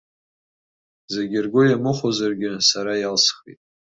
Зегьы ргәы иамыхәозаргьы сара иалсхит.